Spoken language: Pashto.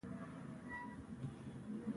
زه هیله درلوده.